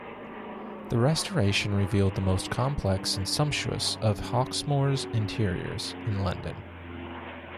The restoration revealed the most complex and sumptuous of Hawksmoor's interiors in London.